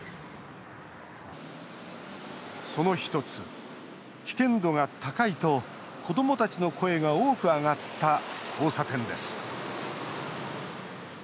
その１つ、危険度が高いと子どもたちの声が多く上がった交差点です。